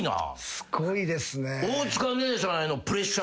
すごいですよね！